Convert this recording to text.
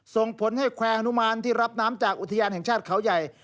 ส่งผลให้แควร์ฮานุมานที่รับน้ำจากอุทยานแห่งชาติเขาใหญ่